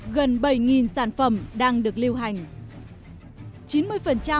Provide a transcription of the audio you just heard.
gần bảy sản phẩm đang được lưu hành